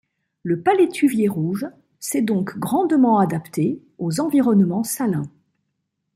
Le palétuvier rouge s’est donc grandement adapté aux environnements salins.